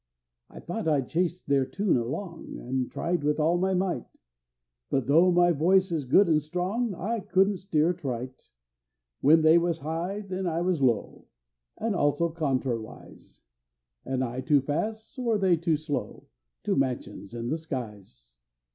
I thought I'd chase their tune along, An' tried with all my might; But though my voice is good an' strong, I couldn't steer it right; When they was high, then I was low, An' also contrawise; An' I too fast, or they too slow, To "mansions in the skies."